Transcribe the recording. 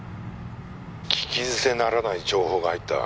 「聞き捨てならない情報が入った」